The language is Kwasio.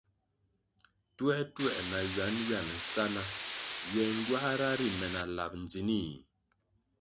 Ntuer-ntuer na nwan-nwan sa ná ywe ngywáhra ri me na lap ndzinih.